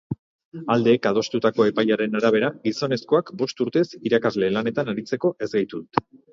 Aldeek adostutako epaiaren arabera, gizonezkoak bost urtez irakasle lanetan aritzeko ezgaitu dute.